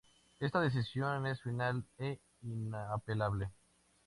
Esta decisión es final e inapelable.